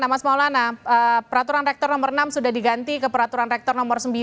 nah mas maulana peraturan rektor nomor enam sudah diganti ke peraturan rektor nomor sembilan